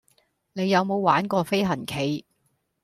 你有無玩過飛行棋